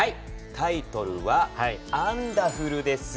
タイトルは「アンダフル」です。